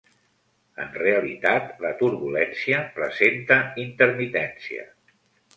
En realitat, la turbulència presenta intermitència.